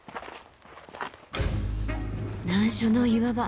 難所の岩場。